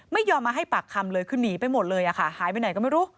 ไม่ยอมมาให้ปากคำเลยคือหนีไปหมดเลยอะค่ะหายไปไหนก็ไม่รู้